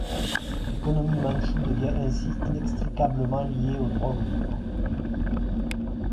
L'économie mandchoue devient ainsi inextricablement liée aux drogues dures.